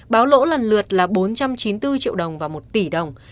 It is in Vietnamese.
báo lỗ lần lượt là bốn trăm chín mươi bốn triệu đồng và một tỷ đồng